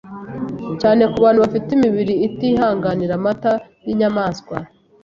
cyane ku bantu bafite imibiri itihinganira amata y’inyamaswa,